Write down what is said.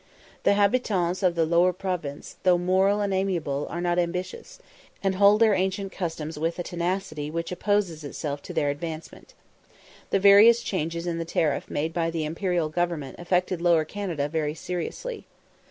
The habitans of the Lower Province, though moral and amiable, are not ambitious, and hold their ancient customs with a tenacity which opposes itself to their advancement. The various changes in the tariff made by the Imperial Government affected Lower Canada very seriously.